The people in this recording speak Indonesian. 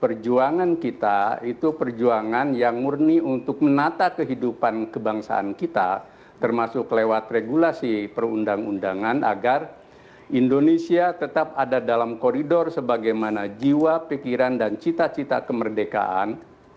perjuangan kita itu perjuangan yang murni untuk menata kehidupan kebangsaan kita termasuk lewat regulasi perundang undangan agar indonesia tetap ada dalam koridor sebagaimana jiwa pikiran dan cita cita kemerdekaan